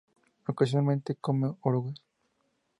Ocasionalmente come orugas.